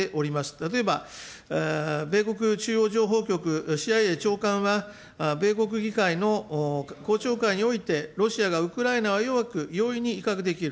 例えば米国中央情報局・ＣＩＡ長官は、米国議会の公聴会において、ロシアがウクライナは弱く、容易に威嚇できる。